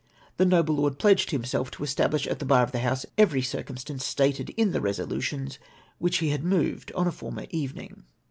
The noble lord pledged himself to establish at the bar of the House every circumstance stated in the resolutions which he had moved on a former evening.